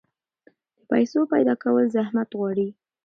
د پیسو پیدا کول زحمت غواړي.